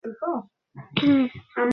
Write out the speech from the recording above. তোমরা আর দিন-কয়েকের অতিথি মাত্র।